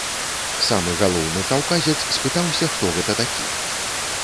Самы галоўны каўказец спытаўся, хто гэта такі.